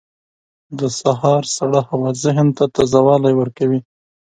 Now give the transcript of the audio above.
• د سهار سړه هوا ذهن ته تازه والی ورکوي.